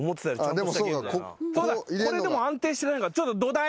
これでも安定してないからちょっと土台。